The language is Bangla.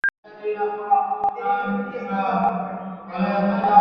তিনি চতুর্থ স্থান দখল করেন।